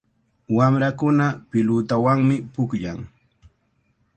Wamrakuna pilutawanmi pukllan.